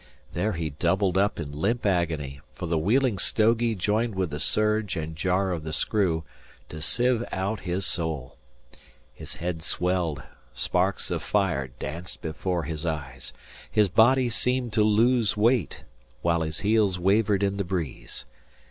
There he doubled up in limp agony, for the Wheeling "stogie" joined with the surge and jar of the screw to sieve out his soul. His head swelled; sparks of fire danced before his eyes; his body seemed to lose weight, while his heels wavered in the breeze.